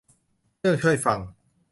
เครื่องช่วยฟัง